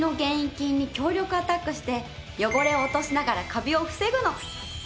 菌に強力アタックして汚れを落としながらカビを防ぐの。